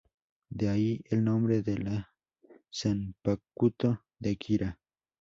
De ahí el nombre de la zanpakutō de Kira.